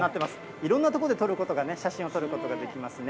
いろんな所で撮ることがね、写真を撮ることができますね。